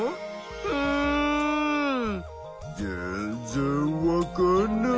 うん全然わかんない！